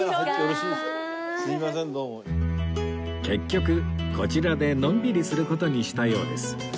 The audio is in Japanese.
結局こちらでのんびりする事にしたようです